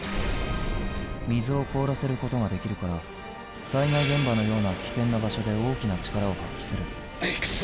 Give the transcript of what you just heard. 水を凍らせることができるから災害現場のような危険な場所で大きな力を発揮するくそ！